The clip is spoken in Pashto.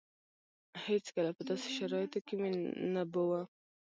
هېڅکله په داسې شرايطو کې مې نه بوه.